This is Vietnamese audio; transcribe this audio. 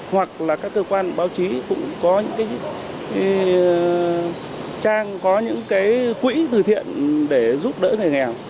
hoặc là các cơ quan báo chí cũng có những cái trang có những cái quỹ từ thiện để giúp đỡ người nghèo